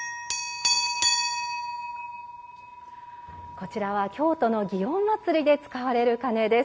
こちらは京都の園祭で使われる鉦です。